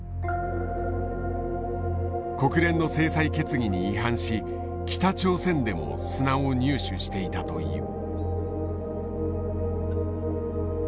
国連の制裁決議に違反し北朝鮮でも砂を入手していたという。